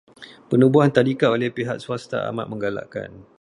Penubuhan tadika oleh pihak swasta amat menggalakkan.